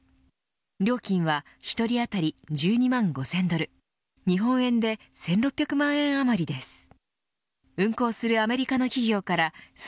料金は１人当たり１２万５０００ドル日本円で１６００万円余りです。